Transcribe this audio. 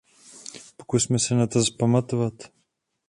Pokusme se na to pamatovat.